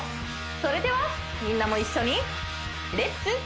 それではみんなも一緒にレッツ！